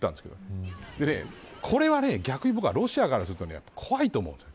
これは逆にロシアからすると怖いと思うんです。